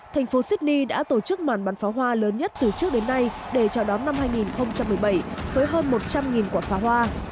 thành phố sydney đã tổ chức màn bắn pháo hoa lớn nhất từ trước đến nay để chào đón năm hai nghìn một mươi bảy với hơn một trăm linh quả pháo hoa